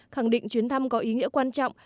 khẳng định chuyến thăm có ý nghĩa quan trọng